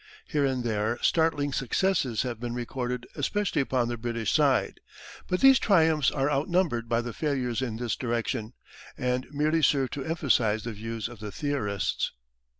Here and there startling successes have been recorded especially upon the British side, but these triumphs are outnumbered by the failures in this direction, and merely serve to emphasise the views of the theorists.